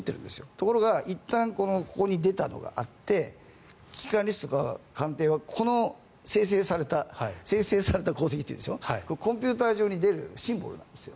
ところがいったんここに出たのがあって危機管理室とか官邸はここの生成された航跡というでしょこれ、コンピューター上に出るシンボルなんです。